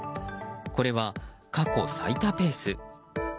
これは過去最多ペース。